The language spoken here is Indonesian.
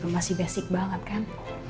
masih basic banget kan